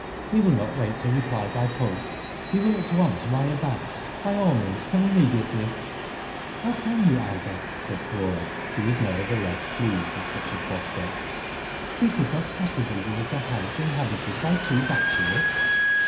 He will not wait to reply by post, he will at once wire back *by all means come immediately.' "" How can you, Ida ?" said Flora, who was nevertheless pleased at such a prospect. We could not possibly visit a house inhabited by two bachelors."